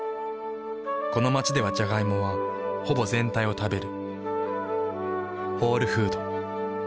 この街ではジャガイモはほぼ全体を食べる。